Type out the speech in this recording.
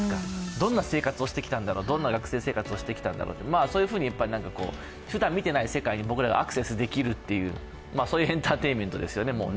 どんな生活をしてきたんだろうか、どんな学生生活をしてきたんだろうと、そんなふうにふだん見ていない世界に僕らがアクセスできるというエンターテインメントですよね、もう。